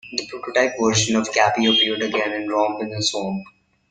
The prototype version of Gabby appeared again in "Romp in a Swamp".